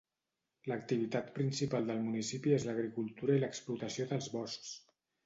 L'activitat principal del municipi és l'agricultura i l'explotació dels boscs.